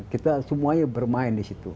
kita semuanya bermain di situ